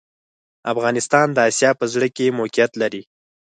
افغانستان د اسیا په زړه کي موقیعت لري